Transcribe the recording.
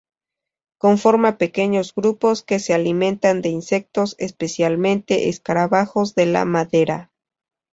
Conforma pequeños grupos que se alimentan de insectos, especialmente escarabajos de la madera.